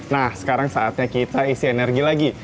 nah sekarang saatnya kita isi energi lagi